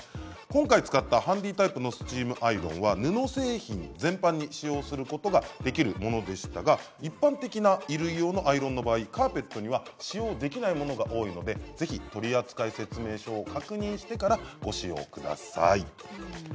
今回使ったハンディータイプのスチームアイロンは布製品全般に使用することができるものでしたが一般的な衣料用のアイロンの場合カーペットには使用できないものが多いのでぜひ取扱説明書を確認してからご使用ください。